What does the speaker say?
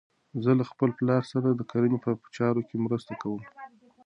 زه له خپل پلار سره د کرنې په چارو کې مرسته کوم.